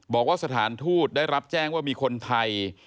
บอกว่าสถานทูตได้รับแจ้งว่ามีคนไทย